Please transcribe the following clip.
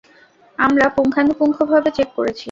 আমরা পুঙ্খানুপুঙ্খভাবে চেক করেছি।